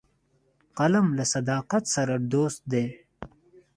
قلم له صداقت سره دوست دی